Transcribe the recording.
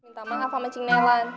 cinta mah sama cinilang